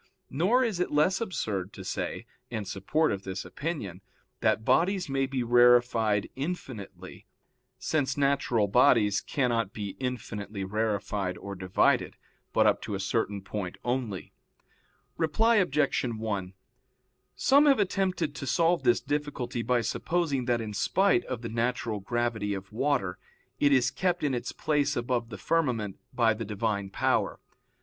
Nor is it less absurd to say, in support of this opinion, that bodies may be rarefied infinitely, since natural bodies cannot be infinitely rarefied or divided, but up to a certain point only. Reply Obj. 1: Some have attempted to solve this difficulty by supposing that in spite of the natural gravity of water, it is kept in its place above the firmament by the Divine power.